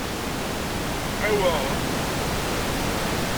Aweɣ!